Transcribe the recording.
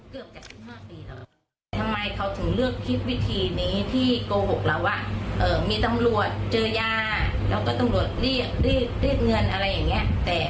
เกือบ๘๕ปีแล้ว